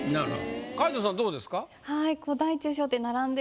皆藤さんどうですか？